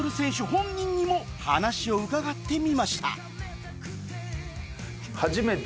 本人にも話を伺ってみました